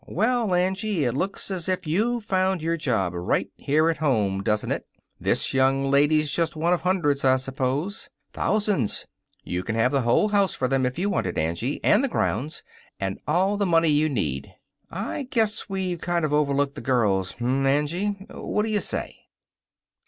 "Well, Angie, it looks as if you'd found your job right here at home, doesn't it? This young lady's just one of hundreds, I suppose. Thousands. You can have the whole house for them, if you want it, Angie, and the grounds, and all the money you need. I guess we've kind of overlooked the girls. Hm, Angie? What d'you say?"